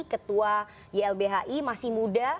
ketua ylbhi masih muda